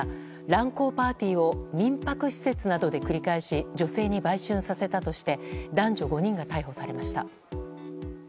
乱交パーティーを民泊施設などで繰り返し女性に売春させたとして男女５人が逮捕されました。